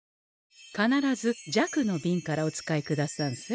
必ず「弱」のビンからお使いくださんせ。